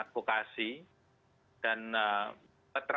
untuk meneruskan upaya upaya untuk meneruskan upaya upaya